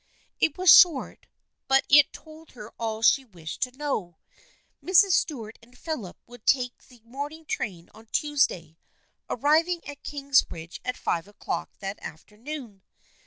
It was short but it told her all she wished to know. Mrs. Stuart and Philip would take the morning train on Tuesday, arriving at Kingsbridge at five o'clock that afternoon.